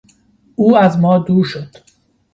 او از ما دور شد.